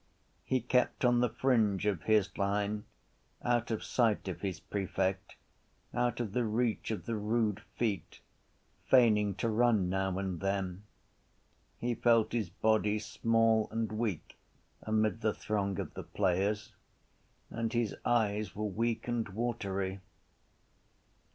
He kept on the fringe of his line, out of sight of his prefect, out of the reach of the rude feet, feigning to run now and then. He felt his body small and weak amid the throng of the players and his eyes were weak and watery.